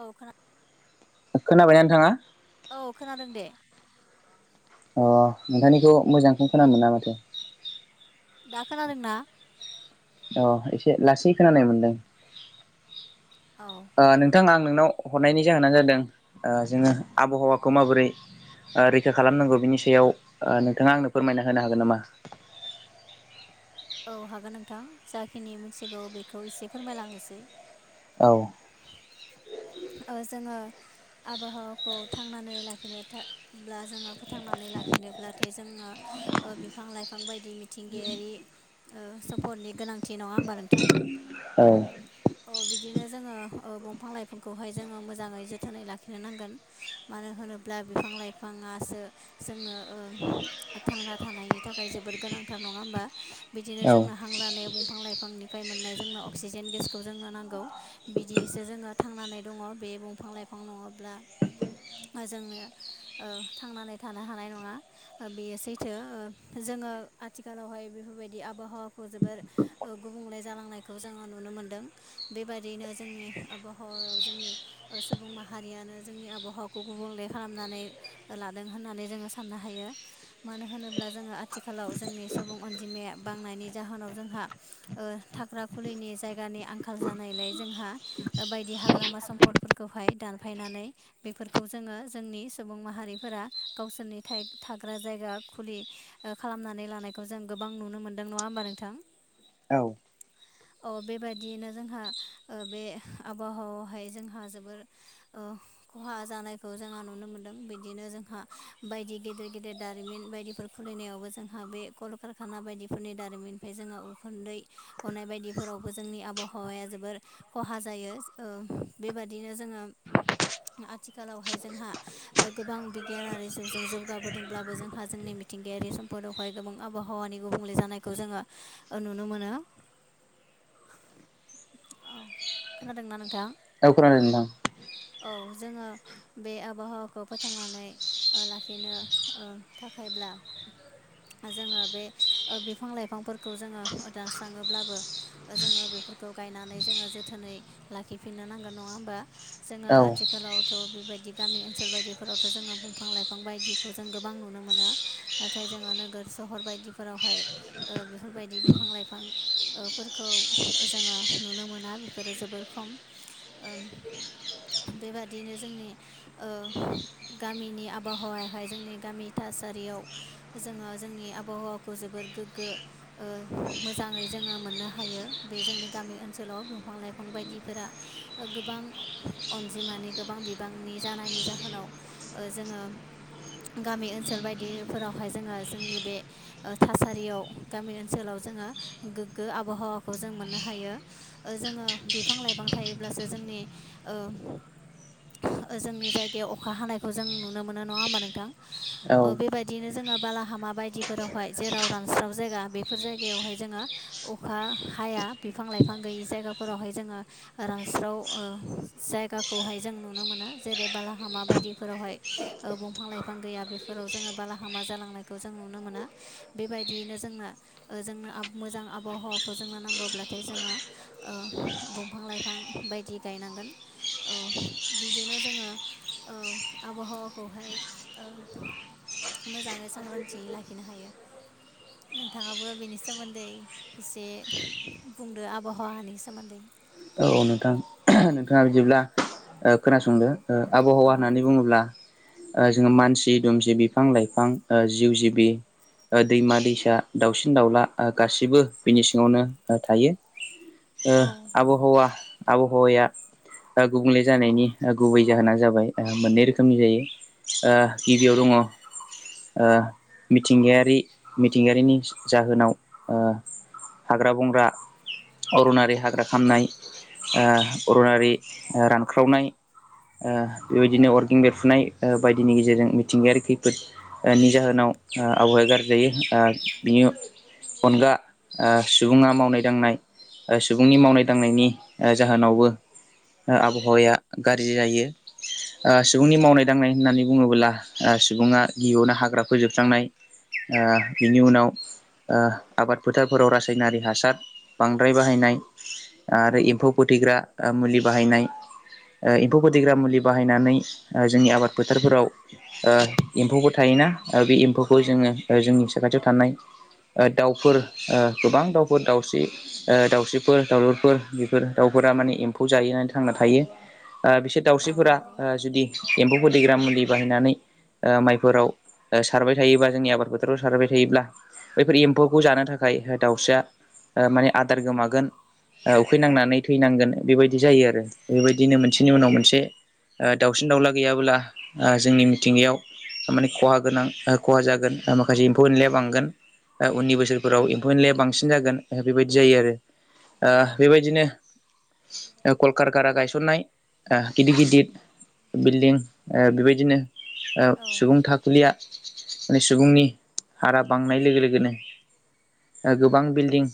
औ खोना खोनाबायनानै थांङा? औ खोनादों दे। अ नोंथांनिखौ मोजांखौ खोन मोना माथो। दा खोनादों ना? अ एसे लासै खोनानाय मोनदों औ ओ नों नोंथां आं नोंनाव हरनायनि जाहोनानो जादों ओ जोङो आबहावाखौ माबोरै ओ रैखा खालामनांगौ बिनि सायाव ओ नोंथाङा आंनो फोरमायना होनो हागोन नामा? औ हागोन नोंथां जाखिनि मिथिगौ बेखौ एसे फोरमायलांनोसै। औ। ओ जोङो आबहावाखौ थांनानै लाखिनो था ब्ला जोङो फोथांनानै लाखिनोब्लाथाय जोङो बिफां लाइफां बायदि मिथिंगायारि ओ सापर्टनि गोनांथि नङा होमबा नोंथां। औ। औ बिदिनो जोङो ओ दंफां लाइफांखौहाय जोङो मोजाङै जोथोनै लाखिनो नांगोन मानो होनोब्ला बिफां लाइफाङासो जोंनो थांना थानायनि थाखाय जोबोर गोनांथार नङा होमबा, बिदिनो औ जोंना हां लानायाव बंफां लाइफांनिफ्राय मोननाय जोंनो अक्सिजेन गेसखौ जोंनो नांगौ, बिदियैसो जोङो थांनानै दङ बे बंफां लाइफां नङाब्ला जोङो ओ थांनानै थानो हानाय नङा। ओ बेयो सैथो ओ जोङो आथिखालावहाय बेफोरबायदि आबहावाखौ जोबोर ओ गुबुंले जालांनायखौ जोङो नुनो मोनदों, बेबायदियैनो जोंनि आबहावायाव जोंनि ओ सुबुं माहारियानो जोंनि आबहावाखौ गुबुंले खालामनानै ओ लादों होननानै जोङो साननो हायो मानो होनोब्ला जोङो आथिखालाव जोंनि सुबुं अनजिमाया बांनायनि जाहोनाव जोंहा ओ थाग्रा खुलिनि जायगानि आंखाल जानायलाय जोंहा ओ बायदि हाग्रामा सम्पदफोरखौहाय दानफायनानै बेफोरखौ जोङो जोंनि सुबुं माहारिफोरा गावसोरनि थाय थाग्रा जायगा खुलि खालामनानै लानायखौ जों गोबां नुनो मोन दों नङा होमबा नोंथां? औ अ बेबादियैनो जोंहा ओ बे आबहावायावहाय जोंहा जोबोर ओ खहा जानायखौ जोंहा नुनो मोनदों, बिदिनो जोंहा बायदि गेदेर गेदेर दारिमिन बायदिफोर खुलिनायावबो जोंहा बे कलकारखाना बायदिफोरनि दारिमिननिफ्राय जोंहा उखुन्दै गनाय बायदिफोरावबो जोंनि आबहावाया जोबोर खहा जायो, ओ बेबादिनो जोङो आथिखालावहाय जोंहा ओ गोबां बिगियानारि जिउजों जौगाबोदोंब्लाबो जोंहा जोंनि मिथिंगायारि सम्पदावहाय गोबां आबहावानि गुबुंले जा नायखौ जोङो नुनो मोनो। औ खोनादोंना नोंथां? औ खोनादों नोंथां। औ जोङो बे आबहावाखौ फोथांनानै ओ लाखिनो ओ थाखायब्ला ओ जोङो बे ओ बिफां लाइफांफोरखौ जोङो दानस्राङोब्लाबो ओ जोङो बेफोरखौ गायनानै जोङो जोथोनै लाखिफिननो नांगोन नङा होमबा? जोङो औ आथिखालाव थ' बेबायदि गामि ओनसोल बायदिफोरावथ' जोङो दंफां लाइफां बायदिखौ जों गोबां नुनो मोनो। नाथाय जोङो नोगोर सहर बायदिफोरावहाय ओ बेफोरबायदि बिफां लाइफां ओ फोरखौ जोङो नुनो मोना बेफोरो जोबोर खम। ओम बेबादिनो जोंनि ओ गामिनि आबहावायाहाय जोंनि गामि थासारियाव जोङो जोंनि आबहावाखौ जोबोर गोगो ओ मोजाङै जोङो मोननो हायो बे जोंनि गामि ओनसोलाव दंफां लाइफां बायदिफोरा ओ गोबां अनजिमानि गोबां बिबांनि जानायनि जाहोनाव ओ जोङो गामि ओनसोल बायदिफोरावहाय जोङो जोंनि बे ओ थासारियाव गामि ओनसोलाव जोङो गोग्गो आबहावाखौ जों मोननो हायो जोङो बिफां लाइफां थायोब्लासो जोंनि ओ जोंनि जायगायाव अखा हानायखौ जों नुनो मोनो नङा होमबा नोंथां? औ बेबायदिनो जोङो बालाहामा बायदिफोराव बेवहाय जेराव रानस्राव जायगा बेफोर जायगायावहाय जोङो अखा हाया बिफां लाइफां गैयै जायगाफोरावहाय जोङो रानस्राव ओ जायगा खौहाय जों नुनो मोनो जेरै बालाहामा बायदिफोरावहाय ओ बंफां लाइफां गैया बेफोर फोराव जोङो बालाहामा जालांनायखौ जों नुनो मोनो। बेबायदियैनो जोंनो ओ जोंनो ओ मोजां आबहावाखौ जोंनो नांगौब्लाथाय जोंहा बंफां लाइफां बायदि गायनांगोन बिदिनो जोङो आबहावाखौहाय मोजाङै सांग्रांथि लाखिनो हायो। नोंथाङाबो बेनि सोमोन्दै एसे बुंदो आबहावानि सोमोन्दै। औ नोंथां नोंथाङा बिदिब्ला खोनासंदो आबहावा औ होननानै बुङोब्ला जोङो मानसि दुमसि बिफां लाइफां जिउ जिबि दैमा दैसा दाउसिन दाउला गासिबो बिनि सिङावनो थायो। [inaudible] आबहावा आबहावाया गुबुंले जानायनि गुबै जाहोना जाबाय मोननै रोखोमनि जायो गिबियाव दङ मिथिंगायारि मिथिंगायारिनि जाहोनाव हाग्रा बंग्रा अरनारि हाग्रा खामनाय अरनारि रानख्रावनाय बेबायदिनो अरगें बेरफुनाय बायदिनि गेजेरजों मिथिंगायारि खैफोद नि जाहोनाव आबहावाया गाज्रि जायो बिनि अनगा सुबुङा मावनाय दांनाय सुबुंनि मावनाय दांनायनि जाहोनावबो औ आबहावाया गाज्रि जायो। सुबुंनि मावनाय दांनाय होननानै बुङोबोला सुबुङा गियावनो हाग्रा फोजोबस्रांनाय बेनि उनाव आबाद फोथारफोराव रासायनारि हासार बांद्राय बाहायनाय आरो एम्फौ फोथैग्रा मुलि बाहायनाय एम्फौ फोथैग्रा मुलि बाहायनानै जोंनि आबाद फोथारफोराव एम्फौबो थायोना बे एम्फौखौ औ जोङो जोंनि साखाथियाव थानाय दाउफोर गोबां दाउफोर दाउस्रि दाउस्रिफोर दावलुरफोर फोर दाउफोरा माने एम्फौ जाहैनानै थांना थायो बिसोर औ दाउस्रिफोरा नंगौ जुदि एम्फौ फोथैग्रा मुलि बाहायनानै माइफोराव सारबाय थायोबा जोंनि आबाद फोथोराव सारबाय थायोब्ला बैफोर एम्फौखौ जानो थाखाय दाउस्राया माने आदार गोमागोन ओ उखैनांनानै थैनांगोन बेबायदि जायो आरो बेबायदिनो औ मोनसेनि उनाव मोनसे दाउसिन दाउला गैयाबोला जोंनि मिथिंगायाव माने खहा गोनां खहा जागोन माखासे एम्फौ एनलाया बांगोन उननि बोसोरफोराव एम्फौ एनलाया बांसिन जागोन बेबायदि जायो आरो बेबायदिनो कलकार गारा गायसननाय गिदिर गिदिर बिल्डिं बेबायदिनो औ सुबुं था खुलिया माने सुबुंनि हारा बांनाय लोगो लोगोनो गोबां बिल्डिं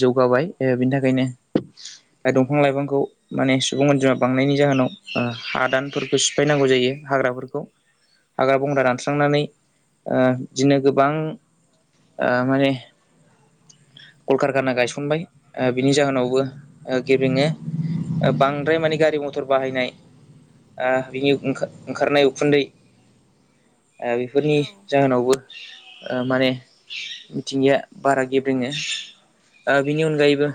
जौगाबाय बिनि थाखायनो दंफां औ लाइफांखौ माने सुबुं अनजिमा बांनायनि जाहोनाव हादानफोरखौ सिफायनांगौ जायो हाग्राफोरखौ हाग्रा बंग्रा दानस्रांनानै बिदिनो गोबां माने कलकारखाना गायसनबाय बिनि जाहोनावबो ओ गेबेङो ओ बांद्राय माने गारि मथर बाहायनाय आ बिनि ओंखा ओंखारनाय उखुन्दै ओ बे बेफोरनि औ जाहोनावबो ओ माने मिथिंगाया बारा गेब्रेङो। ओ बिनि अनगायैबो।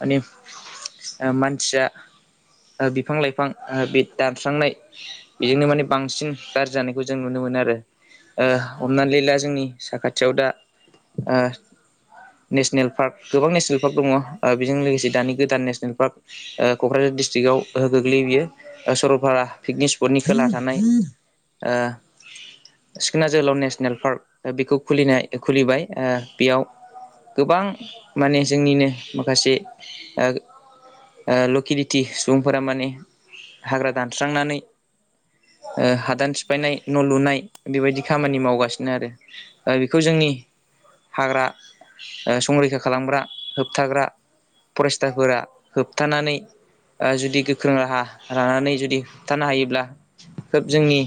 माने मानसिया बिफां लाइफां बे दानस्रांनाय बेजोंनो माने बांसिन गाज्रि जानायखौ जों नुनो मोनो आरो। औ हमनानै ला जोंनि साखा थियाव दा ओ नेसनेल पार्क गोबां नेसनेल पार्क दङ। ओ बेजों लोगोसे दानि गोदान नेसनेल पार्क ओ क'क्राझार डिस्ट्रिकआव ओ गोग्लैयो बियो। ओ स'रलपारा पिकनिक स्पटनि खोला थानाय ओ सिखोना जोहोलाव नेसनेल पार्क बेखौ खुलिनाय खुलिबाय ओ बेयाव गोबां माने जोंनिनो माखासे ओ ओ ल'किलिटि सुबुंफोरा माने हाग्रा दानस्रांनानै ओ हादान औ सि फायनाय न' लुनाय दिबायदि खामानि मावगासिनो आरो ओ बेखौ जोंनि हाग्रा ओ संरैखा खालामग्रा होबथाग्रा। फरेस्थारफोरा होबथानानै ओ जुदि गोख्रों राहा लानानै जुदि होबथानो हायोब्ला। खोब जोंनि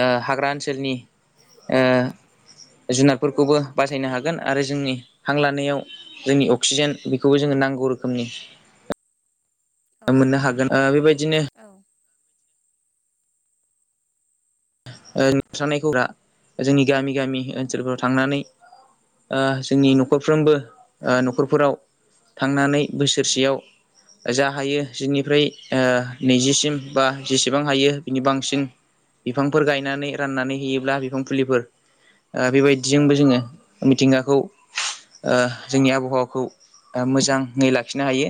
ओ हाग्रा ओनसोलनि ओ जुनारफोरखौबो बासायनो हागोन। आरो जोंनि हां लानायाव जोंनि अक्सिजेन बेखौबो जोङो नांगौ रोखोमनि ओ मोननो हागोन ओ बेबायदिनो औ ओ [unintelligible] नाय खौरा जोंनि गामि गामि ओनसोलफोराव थांनानै ओ जोंनि न'खरफ्रोमबो औ ओ न'खरफोराव थांनानै बोसोरसेयाव जा हायो जिनिफ्राय ओ नैजिसिम बा जेसेबां हायो बिनि बांसिन बिफांफोर गायनानै राननानै होयोब्ला बिफां फुलिफोर ओ औ बेबायदिजोंबो जोङो। मिथिंगाखौ ओ जोंनि आबहावाखौ मोजाङै लाखिनो हायो।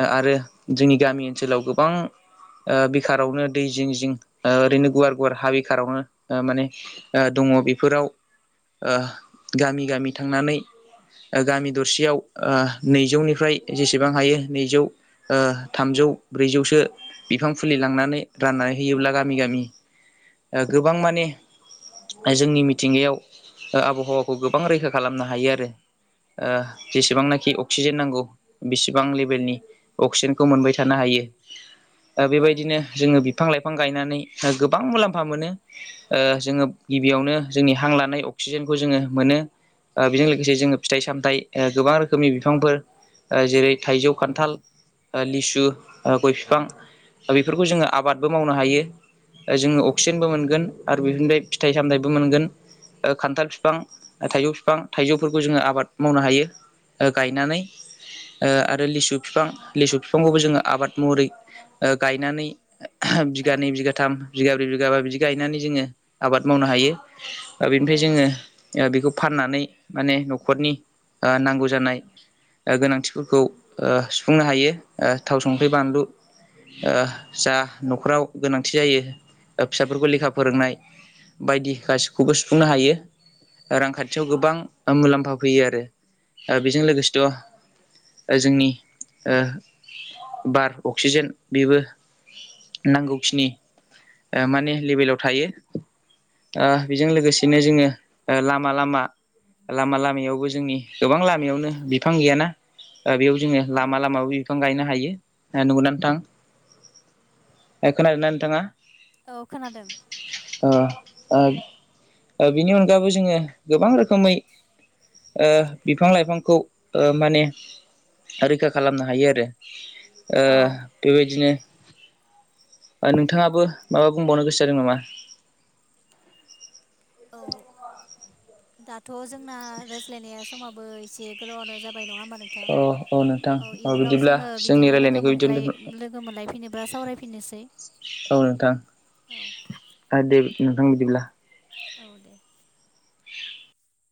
ओ आरो जोंनि गामि ओनसोलाव गोबां ओ बेखारावनो दै जिं जिं ओ ओरैनो गुवार गुवार हा बेखारावनो दा माने ओ दङ। बेफोराव ओ गामि गामि थांनानै ओ गामि दरसेयाव ओ नैजौनिफ्राय जेसेबां हायो नैजौ ओ थामजौ ब्रैजौसो बिफां फुलि लांनानै राननानै होयोब्ला गामि गामि ओ गोबां माने जोंनि मिथिंगायाव ओ आबहावाखौ गोबां रैखा खालामनो हायो आरो। ओ जेसेबांनाखि अक्सिजेन नांगौ बेसिबां लेभेलनि अक्सिजेनखौ मोनबाय थानो हायो। ओ बेबायदिनो जोङो बिफां लाइफां गायनानै गोब बां मुलाम्फा मोनो। जोङो गिबियावनो जोंनि हां लानाय अक्सिजेनखौ जोङो मोनो। ओ बेजों लोगोसे जोङो फिथाइ सामथ ओ गोबां रोखोमनि बिफांफोर ओ जेरै थाइजौ, खान्थाल ओ लिसु ओ गय बिफां दा बेफोरखौ जोङो आबादबो मावनो हायो। ओ जोङो अक्सिजेनबो मोनगोन आरो बेफोरनिफ्राय फिथाइ सामथाइबो मोनगोन। ओ खान्थाल बिफां ओ थाइजौ बिफां थाइजौफोरखौ जोङो आबाद मावनो हायो। ओ गायनानै ओ आरो लिसु बिफां लिसु बिफांखौबो जोङो आबाद महरै ओ गायनानै बिगानै औ बिगाथाम बिगाब्रै बिगाबा बिदि गायनानै जोङो आबाद मावनो हायो। ओ बेनिफ्राय औ जोङो ओ बेखौ फाननानै माने न'खरनि आ नांगौ जानाय। गोनांथिफोरखौ सुफुंनो हायो। थाव संख्रि बानलु जा न'खराव गोनां थि जायो फिसाफोरखौ लेखा फोरोंनाय बायदि गासिखौबो सुफुंनो हायो। रांखान्थियाव गोबां मुलाम्फा फैयो आरो बेजों लोगोसेथ' ओ जोंनि ओ बार अक्सिजेन बेबो नांगौखिनि ओ माने लेभेलाव थायो। ओ बेजों लोगोसेनो जोङो ओ लामा लामा लामा लामायावबो जोंनि गोबां लामायावनो बिफां गैयाना बेयाव जोङो औ लामा लामाबो बिफां गायनो हायो नंगौना नोंथां खोनादोना थाङा औ खोनादों। बिनि अनगाबो जोङो गोबां रोखोमै बिफां लाइफांखौ माने रैखा खालामनो हायो आरो औ बेबायदिनो नोंथाङाबो माबा बुंबावनो गोसो जादों नामा? औ दाथ' जोंना रायज्लायनाया समाबो एसे गोलावनो जाब बाय नङा हा नोंथां अ नोंथां औ अ इयुनाव बिदिब्ला जोङो जोंनि बिदिनो लोगो रायलायनायखौ बिदियावनो मोनफ्लाय दोन लोगो मोनलायफिनोब्ला सावराय फिननोसै। औ नोंथां आरो दे नोंथां बिदिब्ला औ दे।